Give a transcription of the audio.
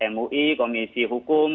mui komisi hukum